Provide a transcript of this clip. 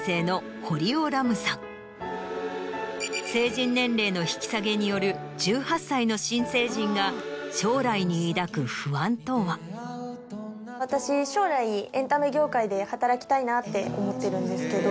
成人年齢の引き下げによる１８歳の新成人が将来に抱く不安とは？って思ってるんですけど。